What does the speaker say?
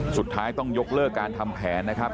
สุดท้ายต้องยกเลิกการทำแผนนะครับ